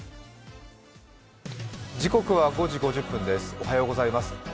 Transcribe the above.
おはようございます。